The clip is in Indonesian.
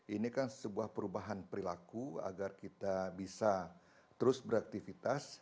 ini kan sebuah perubahan perilaku agar kita bisa terus beraktivitas